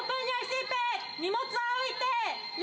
荷物を置いて。